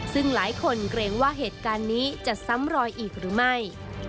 ซึ่งหลายคนเกรงว่าเหตุการณ์นี้จะซ้ำรอยอีกหรือไม่